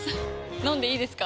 飲んでいいですか？